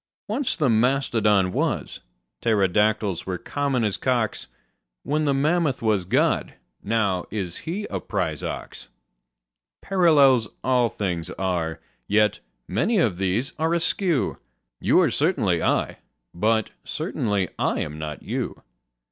Once the mastodon was: pterodactyls were common as cocks: Then the mammoth was God: now is He a prize ox. Parallels all things are: yet many of these are askew: You are certainly I: but certainly I am not you.